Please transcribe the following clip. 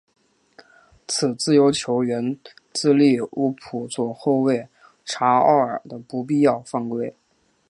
此自由球源自利物浦左后卫查奥尔的不必要犯规。